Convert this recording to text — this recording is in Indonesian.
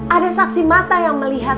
ada saksi mata yang melihat